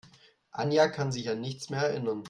Anja kann sich an nichts mehr erinnern.